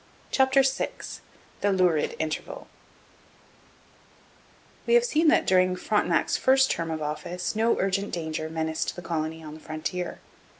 CHAPTER VI THE LURID INTERVAL We have seen that during Frontenac's first term of office no urgent danger menaced the colony on the frontier.